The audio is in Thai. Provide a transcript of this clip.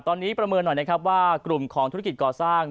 ตอนนี้ประเมินหน่อยนะครับว่ากลุ่มของธุรกิจก่อสร้าง